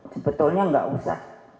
sebetulnya gak usah